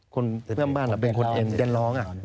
คนเพื่อนบ้านเป็นคนเอนเดียนร้อง